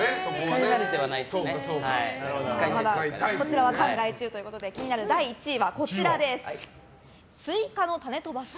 こちらは考え中ということで気になる第１位はスイカの種飛ばし。